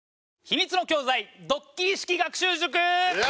『秘密の教材ドッキリ式学習塾』！